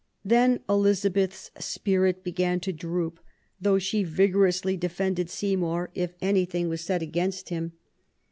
Then Elizabeth's spirit began to droop, though she vigorously de fended Seymour if anything was said against him.